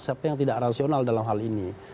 siapa yang tidak rasional dalam hal ini